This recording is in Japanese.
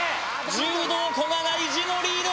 柔道・古賀が意地のリード